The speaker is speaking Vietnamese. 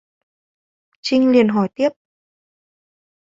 Chinh liền hỏi tiếp